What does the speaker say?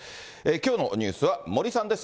きょうのニュースは森さんです。